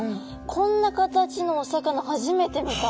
こんな形のお魚初めて見た。